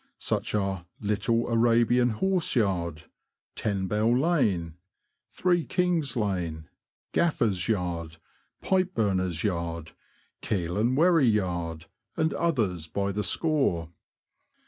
Such are Little Arabian Horse Yard, Ten Bell Lane, Three Kings Lane, Gaffer's Yard, Pipe Burner's Yard, Keel and Wherry Yard, and others by the score.